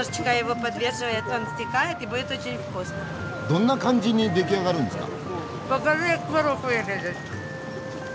どんな感じに出来上がるんですか？